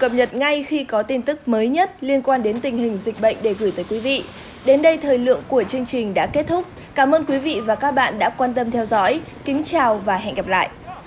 hãy đăng kí cho kênh lalaschool để không bỏ lỡ những video hấp dẫn